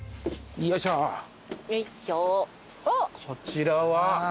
こちらは。